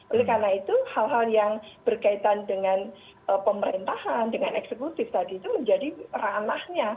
oleh karena itu hal hal yang berkaitan dengan pemerintahan dengan eksekutif tadi itu menjadi ranahnya